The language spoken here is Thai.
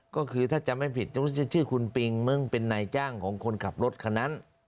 ก็คือถ้าจำไม่ผิดชื่อคุณปิงมึงเป็นนายจ้างของคนขับรถคันนั้น